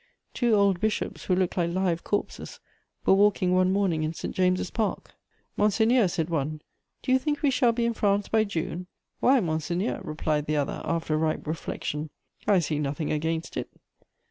Two old bishops, who looked like live corpses, were walking one morning in St James's Park: "Monseigneur," said one, "do you think we shall be in France by June?" "Why, monseigneur," replied the other, after ripe reflection, "I see nothing against it."